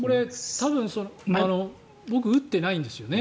多分僕打ってないんですよね